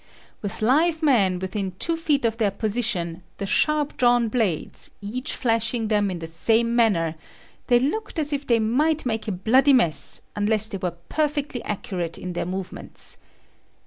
With live men within two feet of their position, the sharp drawn blades, each flashing them in the same manner, they looked as if they might make a bloody mess unless they were perfectly accurate in their movements.